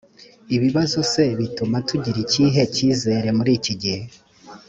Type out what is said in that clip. ibibazo se bituma tugira ikihe cyizere muri iki gihe